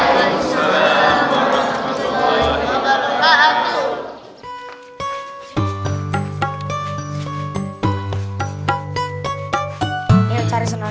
waalaikumsalam warahmatullahi wabarakatuh